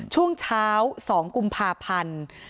ช่วงเช้า๒กุมภาพันธ์